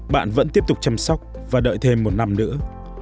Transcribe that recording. bạn vẫn tiếp tục chăm sóc và đợi thêm một năm nữa